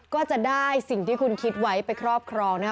ก็จะได้สิ่งที่คุณคิดไว้ไปครอบครองนะคะ